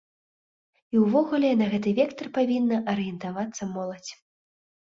І увогуле на гэты вектар павінна арыентавацца моладзь.